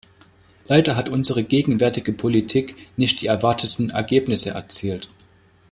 Leider hat unsere gegenwärtige Politik nicht die erwarteten Ergebnisse erzielt.